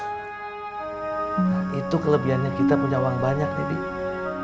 nah itu kelebihannya kita punya uang banyak nih